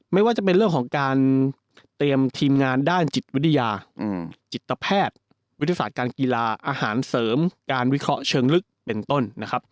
ไม่ว่าจะเป็นเรื่องของการเตรียมทีมงานด้านจิตวิทยาจิตแพทย์วิทยาศาสตร์การกีฬาอาหารเสริมการวิเคราะห์เชิงลึกเป็นต้นนะครับ